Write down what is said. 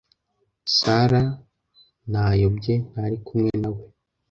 Sara, Nayobye ntari kumwe nawe